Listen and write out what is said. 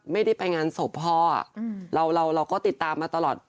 ไม่ได้ไปงานศพพ่อเราเราก็ติดตามมาตลอด